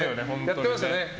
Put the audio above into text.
やってましたね。